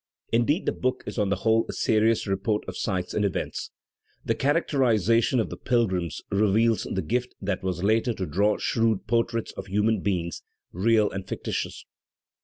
Indeed the book is on the whole a serious report of sights and events. The characterization of the pilgrims reveals the gift that was later to draw shrewd portraits of human beings, real and fictitious.